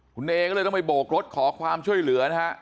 คุณเอก็เลยต้องไปโบกรถขอความช่วยเหลือนะฮะ